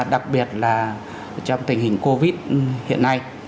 đặc biệt là trong tình hình covid hiện nay